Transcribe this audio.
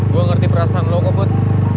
gue ngerti perasaan lo kobud